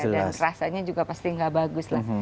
dan rasanya juga pasti gak bagus lah